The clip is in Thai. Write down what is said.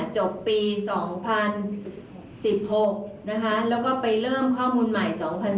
จบปี๒๐๑๖นะคะแล้วก็ไปเริ่มข้อมูลใหม่๒๐๑๙